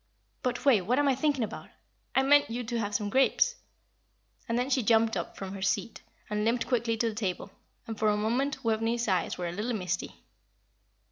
But, Wave, what am I thinking about? I meant you to have some grapes." And then she jumped up from her seat and limped quickly to the table, and for a moment Waveney's eyes were a little misty.